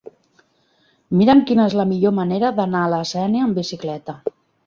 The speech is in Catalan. Mira'm quina és la millor manera d'anar a la Sénia amb bicicleta.